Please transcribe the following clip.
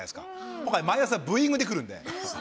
今回、マイナスはブーイングで来るんで。